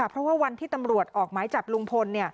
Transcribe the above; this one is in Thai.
เพราะว่าวันที่ตำรวจออกหมายจับลุงพล